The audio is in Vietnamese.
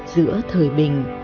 giữa thời bình